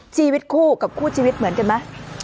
ชีวิตคู่กับคู่ชีวิตเหมือนกันไหม